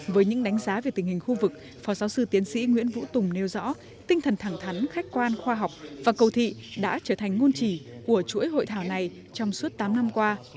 với những đánh giá về tình hình khu vực phó giáo sư tiến sĩ nguyễn vũ tùng nêu rõ tinh thần thẳng thắn khách quan khoa học và cầu thị đã trở thành ngôn chỉ của chuỗi hội thảo này trong suốt tám năm qua